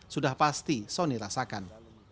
sudah pasti sony rasakan